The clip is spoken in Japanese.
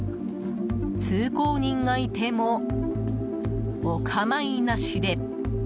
通行人がいても、お構いなしで。